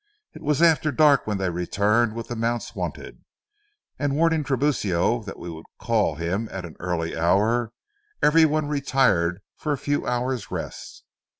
It was after dark when they returned with the mounts wanted, and warning Tiburcio that we would call him at an early hour, every one retired for a few hours' rest.